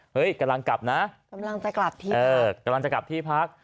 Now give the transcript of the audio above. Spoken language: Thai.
เฮ้ยกำลังกลับนะกำลังจะกลับที่พัก